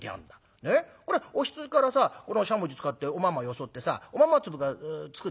これおひつからさこのしゃもじ使っておまんまよそってさおまんま粒がつくだろ。